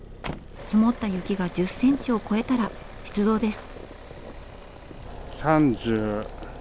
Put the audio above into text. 積もった雪が１０センチを超えたら出動です。